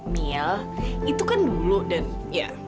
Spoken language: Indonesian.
mia itu kan dulu dan ya